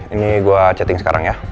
ini gue chatting sekarang ya